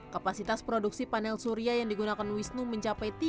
kapasitas produksi panel surya yang digunakan wisnu mencapai tiga tujuh ratus dua puluh watts